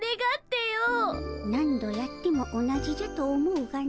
何度やっても同じじゃと思うがの。